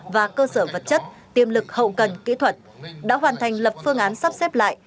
và cơ sở vật chất tiêm lực hậu cần kỹ thuật đã hoàn thành lập phương án sắp xếp lại